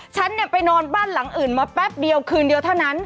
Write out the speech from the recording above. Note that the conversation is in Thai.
ฉันไปนอนบ้านหลังอื่นมาแป๊บเดียวคืนเดียวเท่านั้น